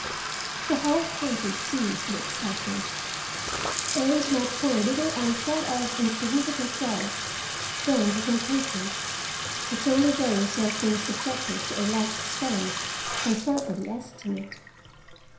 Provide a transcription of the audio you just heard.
The whole country seethed with excitement, and my poor little unthought of, insignificant self burned with impatience, which only those who have been subjected to a like suspense can properly estimate.